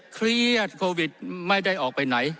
เครียดโควิดไม่ได้ออกไปไหน